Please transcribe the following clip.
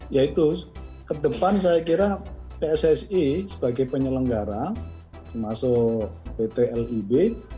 yaitu ke depan saya kira pssi sebagai penyelenggara termasuk pt lib